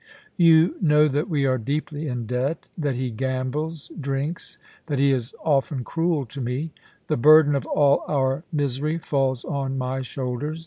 ... You know that we are deeply in debt ; that he gambles — drinks ; that he is often cruel to me. The burden of all our misery falls on my shoulders.